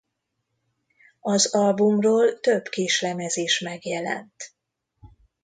Az albumról több kislemez is megjelent.